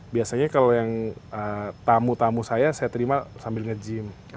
biasanya kalau yang tamu tamu saya saya terima sambil nge gym